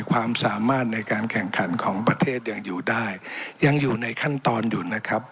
ความสามารถในการแข่งขันของประเทศยังอยู่ได้ยังอยู่ในขั้นตอนอยู่นะครับ